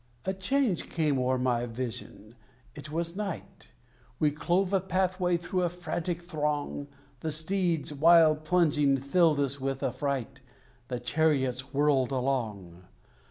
A change came o'er my Vision it was night: We clove a pathway through a frantic throng: The steeds, wild plunging, filled us with affright: The chariots whirled along.